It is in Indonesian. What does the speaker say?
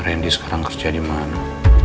randy sekarang kerja dimana